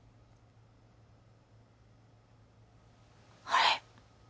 あれ。